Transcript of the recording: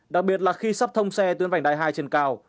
đặc biệt là khi sắp thông xe tuyến vành đai hai trên cao